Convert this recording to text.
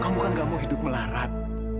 kamu kan gak mau hidup melarat